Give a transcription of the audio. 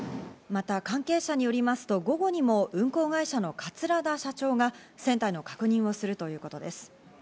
また関係者によりますと午後にも運航会社の桂田社長が船体の確認をするということです。